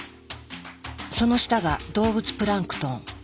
その下が動物プランクトン。